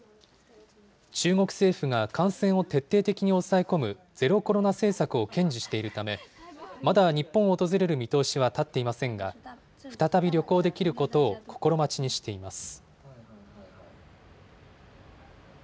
中国政府が感染を徹底的に抑え込むゼロコロナ政策を堅持しているため、まだ日本を訪れる見通しは立っていませんが、再び旅行できることを心待ちにしています。